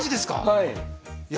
はい。